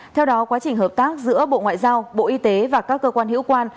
theo đó quá trình hợp tác giữa bộ ngoại giao bộ y tế và các cơ quan hữu quan